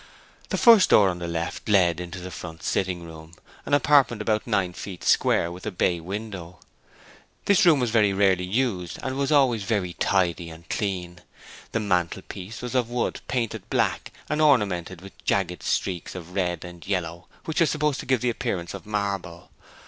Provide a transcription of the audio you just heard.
The first door on the left led into the front sitting room, an apartment about nine feet square, with a bay window. This room was very rarely used and was always very tidy and clean. The mantelpiece was of wood painted black and ornamented with jagged streaks of red and yellow, which were supposed to give it the appearance of marble.